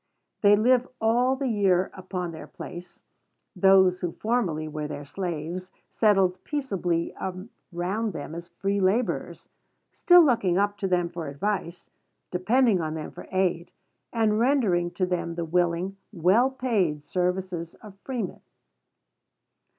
They live all the year upon their place; those who formerly were their slaves settled peaceably around them as free laborers, still looking up to them for advice, depending on them for aid, and rendering to them the willing, well paid services of freemen.